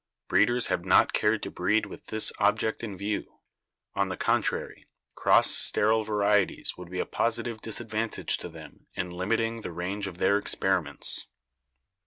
Breeders have not cared to breed with this object in view. On the contrary, cross sterile varieties would be a positive disadvantage to them in limiting the range of their experiments.